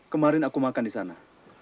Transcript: kemarin aku makan di sana